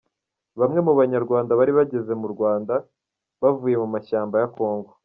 Bamwe mu Banyarwanda bari bageze mu Rwanda bavuye mu mashyamba ya kongo.